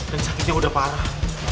dan sakitnya udah parah